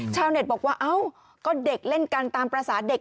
ชาวเน็ตบอกว่าเด็กเล่นกันตามภาษาเด็ก